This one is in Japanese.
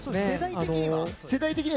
世代的には？